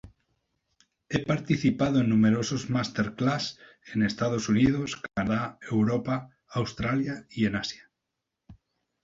Ha participado en numerosas máster-clases en Estados Unidos, Canadá, Europa, Australia y en Asia.